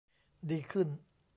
ดีขึ้น